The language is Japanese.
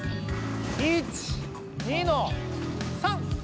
１２の３！